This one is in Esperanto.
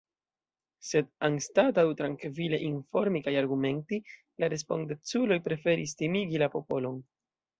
Sed anstataŭ trankvile informi kaj argumenti, la respondeculoj preferis timigi la popolon.